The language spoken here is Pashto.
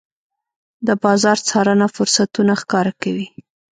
د بازار څارنه فرصتونه ښکاره کوي.